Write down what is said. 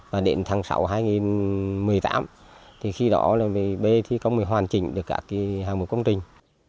và đến tháng sáu hai nghìn một mươi tám thì khi đó là bê thi công mới hoàn chỉnh được cả cái hàng mục công trình